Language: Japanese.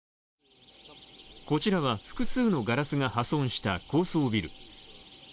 こちらは複数のガラスが破損した高層ビル。